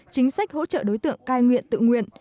chính sách hỗ trợ đối tượng cai nghiện tự nguyện